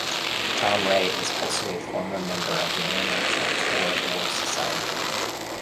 Tom Ray is also a former member of the International Core War Society.